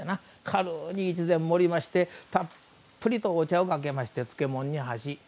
軽うに一膳、盛りましてたっぷりとお茶をかけて漬物に箸。